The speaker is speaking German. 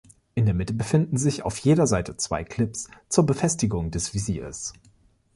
In der Mitte befinden sich auf jeder Seite zwei Clips zur Befestigung des Visiers.